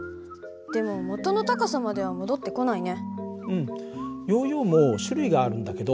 でも元の高さまでは戻ってこないね。